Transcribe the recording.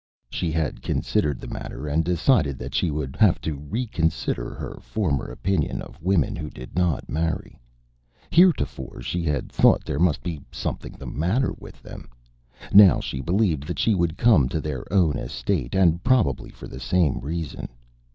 She had considered the matter and decided that she would have to reconsider her former opinion of women who did not marry. Heretofore she had thought there must be something the matter with them. Now she believed that she would come to their own estate, and probably for the same reason.